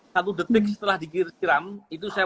satu detik setelah disiram itu saya